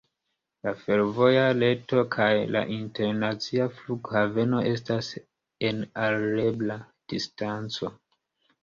La fervoja reto kaj la internacia flughaveno estas en alirebla distanco.